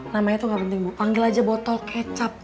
namanya tuh gak penting ibu panggil aja botol kecap